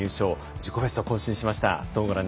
自己ベストを更新しました。